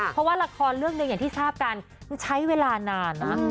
เพราะว่าละครเรื่องหนึ่งอย่างที่ทราบกันใช้เวลานานนะ